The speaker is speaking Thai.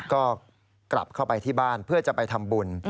ก็กลับเข้าไปที่บ้านเพื่อจะไปทำบุญ